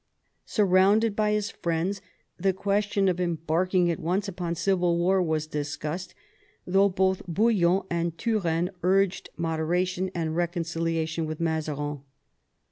Surrounded by his friends, the question of embarking at once upon civil war was discussed, though both Bouillon and Turenne urged moderation and reconcilia tion with Mazarin.